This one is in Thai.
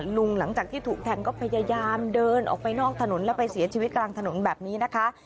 หลังจากที่ถูกแทงก็พยายามเดินออกไปนอกถนนแล้วไปเสียชีวิตกลางถนนแบบนี้นะคะ